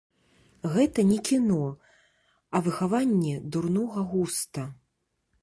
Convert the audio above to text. Гэта не кіно, а выхаванне дурнога густа.